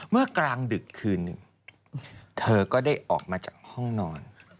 เมื่อกลางดึกคืนหนึ่งเธอก็ได้ออกมาจากห้องนอน